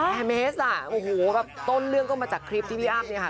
ฮะโอ้โหต้นเรื่องก็มาจากคลิปที่พี่อ้าบเนี้ยคะ